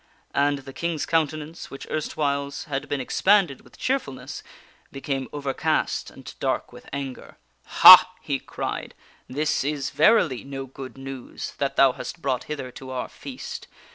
And the King's countenance, which erstwhiles had been expanded with cheerful ness, became overcast and dark with anger. " Ha !" he cried, " this is, verily, no good news that thou hast brought hither to our feast.